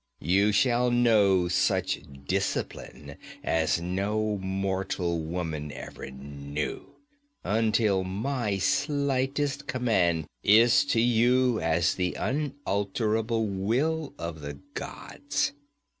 You shall know such discipline as no mortal woman ever knew, until my slightest command is to you as the unalterable will of the gods.